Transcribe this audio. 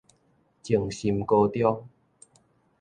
靜心高中